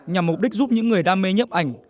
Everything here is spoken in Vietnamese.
nhằm mục đích giúp những người đam mê nhấp ảnh